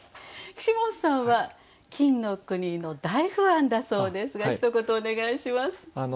岸本さんは金の国の大ファンだそうですがひと言お願いします。